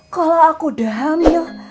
kalau aku udah hamil